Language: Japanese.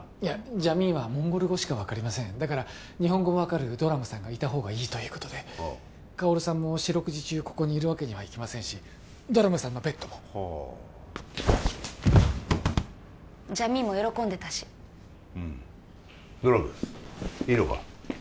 ジャミーンはモンゴル語しか分かりませんだから日本語も分かるドラムさんがいた方がいいということで薫さんも四六時中ここにいるわけにはいきませんしドラムさんのベッドもはあジャミーンも喜んでたしうんドラムいいのか？